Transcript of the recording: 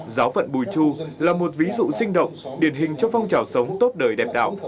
giáo phận bùi chu là một ví dụ sinh động điển hình cho phong trào sống tốt đời đẹp đạo